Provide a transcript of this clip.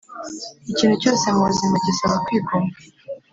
ikintu cyose mubuzima gisaba kwigomwa